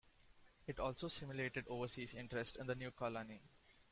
It also stimulated overseas interest in the new colony.